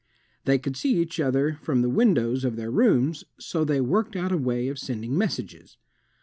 They could see each other from the windows of their rooms so they worked out a way of sending messages.